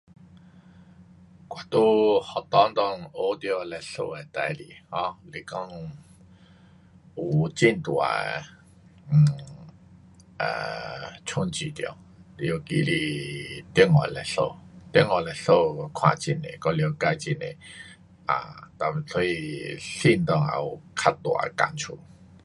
我在学堂内学到历史的事情，um 你讲有很大的 um 啊冲刺到，尤其是中国的历史。中国的历史我看很多，我了解很多，um 哒所以心内也有很大的感触。